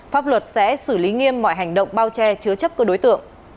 pháp luật sẽ xử lý nghiêm mọi hành động bao che chứa chấp cơ đối tượng